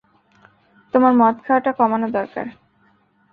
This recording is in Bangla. তোমার মদ খাওয়াটা কমানো দরকার।